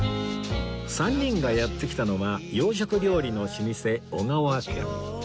３人がやって来たのは洋食料理の老舗小川軒